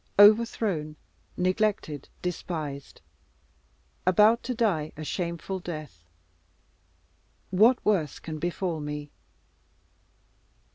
Overthrown, neglected, despised about to die a shameful death what worse can befall me?